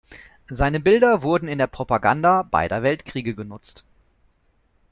Seine Bilder wurden in der Propaganda beider Weltkriege genutzt.